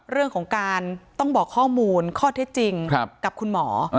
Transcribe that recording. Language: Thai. เรื่องของการต้องบอกข้อมูลข้อเท็จจริงกับคุณหมอ